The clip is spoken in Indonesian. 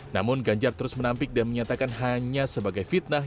namun ganjar terus menampik dan menyatakan hanya sebagai fitnah